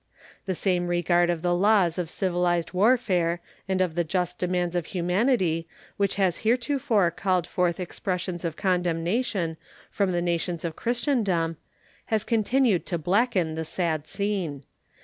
The same disregard of the laws of civilized warfare and of the just demands of humanity which has heretofore called forth expressions of condemnation from the nations of Christendom has continued to blacken the sad scene.